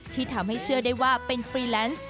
ที่ทำให้เชื่อได้ว่าเป็นฟรีแลนซ์